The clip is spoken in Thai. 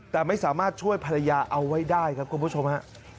แต่ไม่สามารถช่วยภรรยาเอาไว้ได้ครับคุณผู้ชมฮะ